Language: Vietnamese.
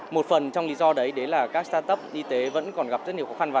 một phần trong lý do đấy là các start up y tế vẫn còn gặp rất nhiều khó khăn